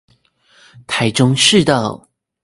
台中市道